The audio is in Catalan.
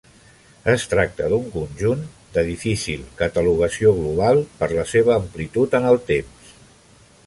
Es tracta d'un conjunt de difícil catalogació global per la seva amplitud en el temps.